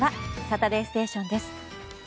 「サタデーステーション」です。